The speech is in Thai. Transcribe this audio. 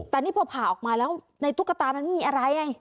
แต่นี่พอผ่าออกมาแล้วในตุ๊กตามันไม่มีอะไรไง